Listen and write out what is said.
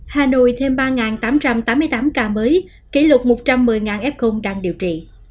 hà nội thêm ba tám trăm tám mươi tám ca mới kỷ lục một trăm một mươi f đang điều trị